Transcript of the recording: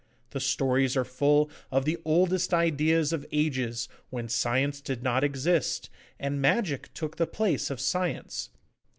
The stories are full of the oldest ideas of ages when science did not exist, and magic took the place of science.